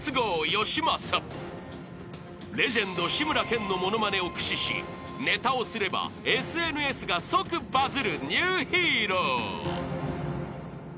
［レジェンド志村けんの物まねを駆使しネタをすればＳＮＳが即バズるニューヒーロー］